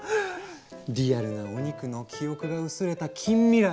リアルなお肉の記憶が薄れた近未来